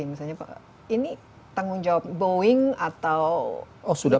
nah misalnya pak ananta ternyata pesawat ini karena kesalahan teknis dan yang berhubungan dengan produk itu sendiri